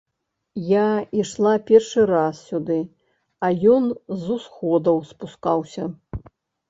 Я ішла першы раз сюды, а ён з усходаў спускаўся.